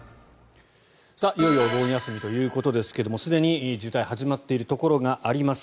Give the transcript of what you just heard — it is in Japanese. いよいよお盆休みということですがすでに渋滞始まっているところがあります。